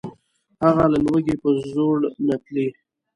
هغه له لوږي په زړو نتلي